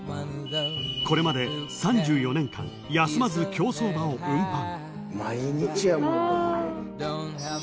［これまで３４年間休まず競走馬を運搬］